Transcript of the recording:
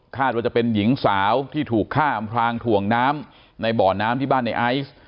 ว่าจะเป็นหญิงสาวที่ถูกฆ่าอำพลางถ่วงน้ำในบ่อน้ำที่บ้านในไอซ์